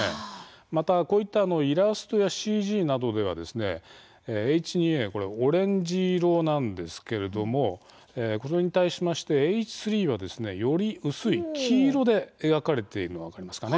また、こういったイラストやＣＧなどではＨ２Ａオレンジ色なんですけれどもこれに対しましてＨ３はより薄い黄色で描かれているのが分かりますかね。